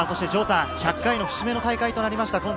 １００回の節目の大会となりました